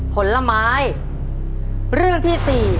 ผลไม้